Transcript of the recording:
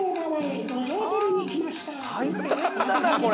大変だなこれ。